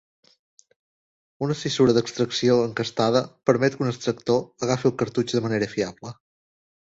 Una cissura d'extracció encastada permet que un extractor agafi el cartutx de manera fiable.